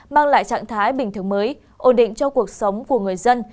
mang lại trạng thái bình thường mới ổn định cho cuộc sống của người dân